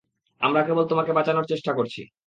আমরা কেবল তোমাকে বাঁচানোর চেষ্টা করছি।